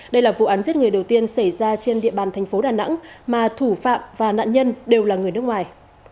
đây là vụ án giết người đầu tiên xảy ra trên địa bàn thành phố đà nẵng mà thủ phạm và nạn nhân đều là người nước ngoài